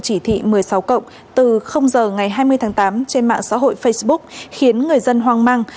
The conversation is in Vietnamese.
chỉ thị một mươi sáu cộng từ giờ ngày hai mươi tháng tám trên mạng xã hội facebook khiến người dân hoang mang